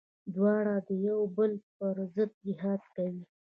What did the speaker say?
دواړه د يو بل پر ضد جهاد کوي.